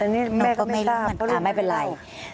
น้องก็ไม่รู้มันตามไม่เป็นไร